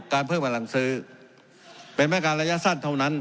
การเพิ่มอลังซื้อเป็นแม้การระยะสั้นเท่านั้น